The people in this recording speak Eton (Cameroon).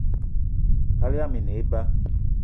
Kaal yama i ne eba